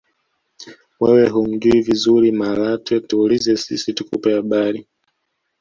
wewe humjuhi vizuri malatwe tuulize sisi tukupe habari